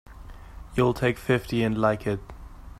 You'll take fifty and like it!